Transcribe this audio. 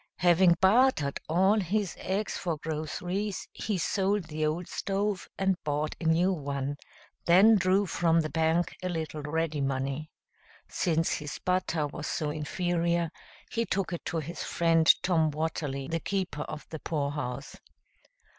Having bartered all his eggs for groceries, he sold the old stove and bought a new one, then drew from the bank a little ready money. Since his butter was so inferior, he took it to his friend Tom Watterly, the keeper of the poorhouse.